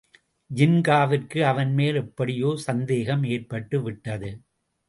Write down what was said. ஜின்காவிற்கு அவன்மேல் எப்படியோ சந்தேகம் ஏற்பட்டு விட்டது.